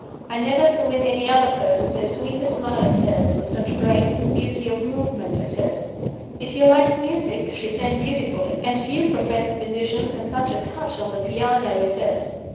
I never saw in any other person so sweet a smile as hers, or such grace and beauty of movement as hers. If you liked music, she sang beautifully; and few professed musicians had such a touch on the piano as hers.